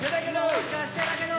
もしかしてだけど